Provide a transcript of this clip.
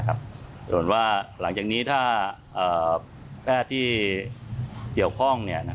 อย่างนี้หลังจากนี้ถ้าแพทย์ที่เยียวข้องเนี่ย